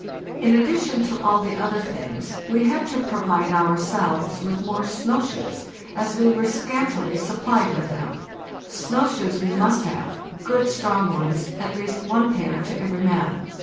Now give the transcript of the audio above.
In addition to all the other things we had to provide ourselves with more snow shoes, as we were scantily supplied with them. Snow shoes we mst have, good strong ones, at least one pair to every man.